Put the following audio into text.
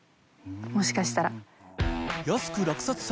もしかしたら。